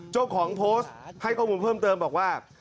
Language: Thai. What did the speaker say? เจ้าของโพสต์ให้ข้อมูลเพิ่มเติมบอกว่า